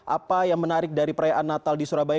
apa yang menarik dari perayaan natal di surabaya